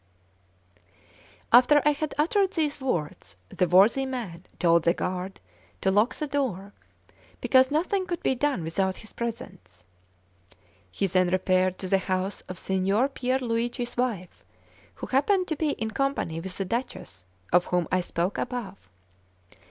After I had uttered these words, the worthy man told the guard to lock the door, because nothing could be done without his presence. He then repaired to the house of Signor Pier Luigi's wife, who happened to be in company with the Duchess of whom I spoke above.